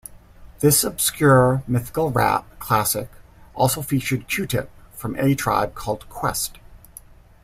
This obscure, mythical rap classic also featured Q-Tip from A Tribe Called Quest.